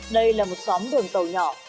đây là một sóng đường tàu nhỏ